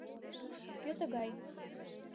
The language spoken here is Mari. «Кӧ тыгай...